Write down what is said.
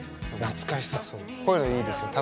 こういうのいいですよ。